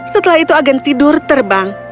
setelah itu agen tidur terbang